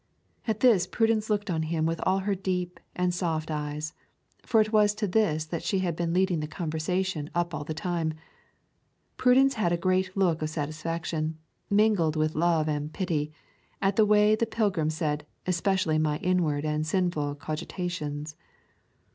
At this Prudence looked on him with all her deep and soft eyes, for it was to this that she had been leading the conversation up all the time. Prudence had a great look of satisfaction, mingled with love and pity, at the way the pilgrim said 'especially my inward and sinful cogitations.'